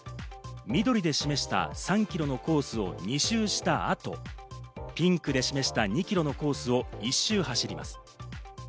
緑で示した３キロのコースを２周したあと、ピンクで示した２キロのコースを１周走ります。